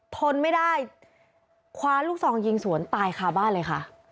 ทนไม่ได้คว้าลูกซองยิงสวนตายคาบ้านเลยค่ะ